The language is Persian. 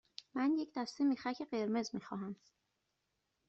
من یک دسته میخک قرمز می خواهم.